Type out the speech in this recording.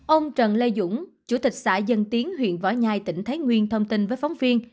ông trần lê dũng chủ tịch xã dân tiến huyện võ nhai tỉnh thái nguyên thông tin với phóng viên